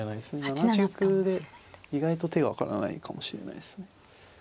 ７八玉で意外と手が分からないかもしれないですね。